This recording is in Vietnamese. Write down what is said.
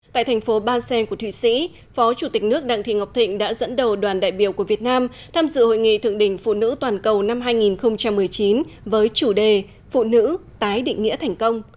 tại thành phố ban sen của thụy sĩ phó chủ tịch nước đặng thị ngọc thịnh đã dẫn đầu đoàn đại biểu của việt nam tham dự hội nghị thượng đỉnh phụ nữ toàn cầu năm hai nghìn một mươi chín với chủ đề phụ nữ tái định nghĩa thành công